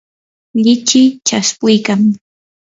lichiy chaspuykan.